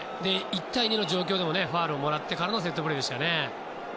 １対２の状況からでもファウルをもらってのセットプレーでしたよね。